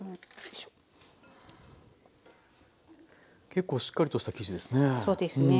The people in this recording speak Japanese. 結構しっかりとした生地ですね。